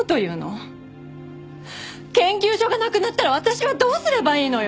研究所がなくなったら私はどうすればいいのよ！？